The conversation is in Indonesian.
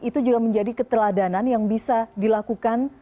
itu juga menjadi keteladanan yang bisa dilakukan